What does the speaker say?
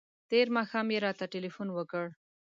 تېر ماښام یې راته تلیفون وکړ.